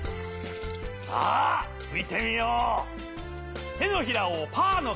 さあふいてみよう。